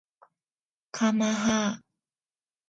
かまは